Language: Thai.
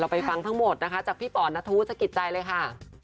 ไปฟังทั้งหมดนะคะจากพี่ป่อนัทธุสกิจใจเลยค่ะ